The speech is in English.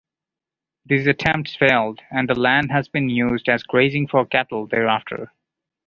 These attempts failed and the land has been used as grazing for cattle thereafter.